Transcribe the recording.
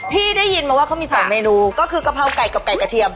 ได้ยินมาว่าเขามี๒เมนูก็คือกะเพราไก่กับไก่กระเทียม